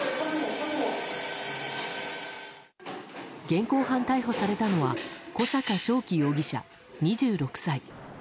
現行犯逮捕されたのは小阪渉生容疑者、２６歳。